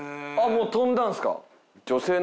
もう飛んだんすか。